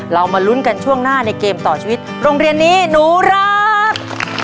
มาลุ้นกันช่วงหน้าในเกมต่อชีวิตโรงเรียนนี้หนูรัก